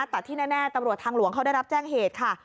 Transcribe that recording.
แต่ที่แน่ตำรวจทางหลวงเขาได้รับแจ้งเหตุค่ะ